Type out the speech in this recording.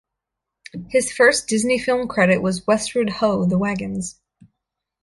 His first Disney film credit was Westward Ho, the Wagons!